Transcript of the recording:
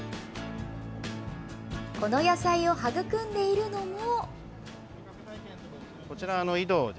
この野菜を育んでいるのも。